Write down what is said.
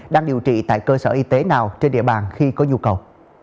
đang điều trị tại cơ sở y tế nào trên địa bàn khi có nhu cầu